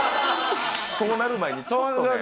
そうなる前にちょっとね。